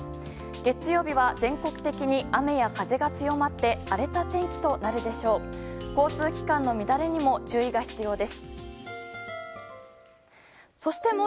月曜日は全国的に雨や風が強まって荒れた天気となるでしょう。